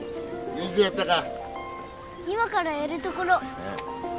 今からやるところ。